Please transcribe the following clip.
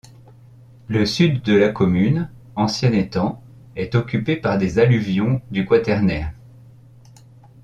Le sud de la commune, ancien étang, est occupé par des alluvions du Quaternaire.